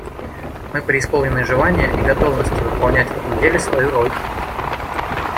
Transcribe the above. Мы преисполнены желания и готовности выполнять в этом деле свою роль.